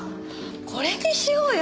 これにしようよ。